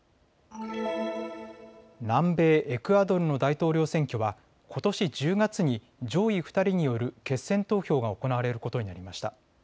南米エクアドルの大統領選挙はことし１０月に上位２人による決選投票が行われることになりました。